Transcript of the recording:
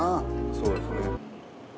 そうですね。